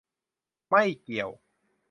ไม่เกี่ยว